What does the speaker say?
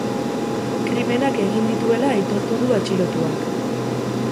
Krimenak egin dituela aitortu du atxilotuak.